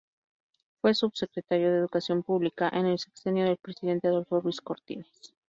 Fue Subsecretario de Educación Pública en el sexenio del presidente Adolfo Ruiz Cortines.